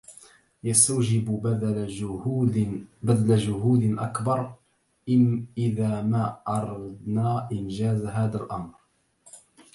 يستوجب بذل جهود أكبر؛ إذا ما أردنا إنجاز هذا الأمر.